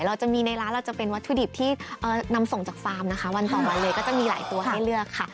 เราจะมีในร้านเราจะเป็นวัตถุดิบที่นำส่งจากฟาร์มนะคะวันต่อวันเลยก็จะมีหลายตัวให้เลือกค่ะ